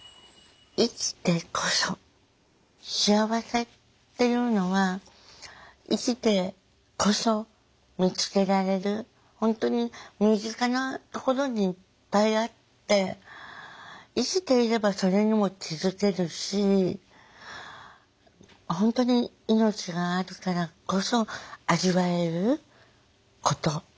幸せっていうのは生きてこそ見つけられる本当に身近なところにいっぱいあって生きていればそれにも気付けるし本当に命があるからこそ味わえること。